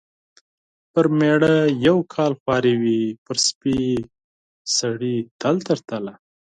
پر مېړه یو کال خواري وي ، پر سپي سړي تل تر تله .